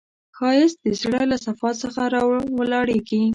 ښایست د زړه له صفا څخه راولاړیږي